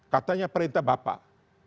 katanya perintah bapak